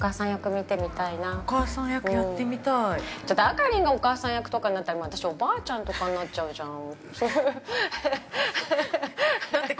◆あかりんがお母さん役とかになったら私、おばあちゃんとかになっちゃうじゃん。